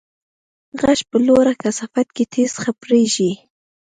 غږ په لوړه کثافت کې تېز خپرېږي.